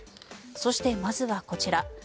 そして、まずはこちら。